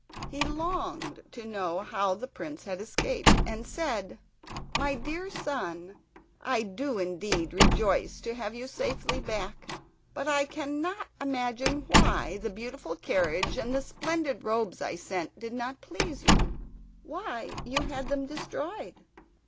He longed to know how the prince had escaped, and said: "My dear son, I do indeed rejoice to have you safely back, but I cannot imagine why the beautiful carriage and the splendid robes I sent did not please you; why you had them destroyed."